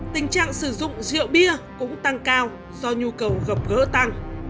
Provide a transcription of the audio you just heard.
tình trạng sử dụng rượu bia cũng tăng cao do nhu cầu gặp gỡ tăng